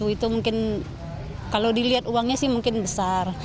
empat puluh satu itu mungkin kalau dilihat uangnya sih mungkin besar